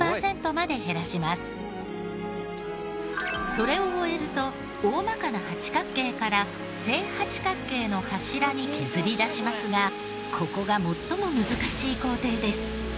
それを終えると大まかな八角形から正八角形の柱に削り出しますがここが最も難しい工程です。